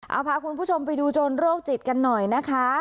เอาพาคุณผู้ชมไปดูโจรโรคจิตกันหน่อยนะคะ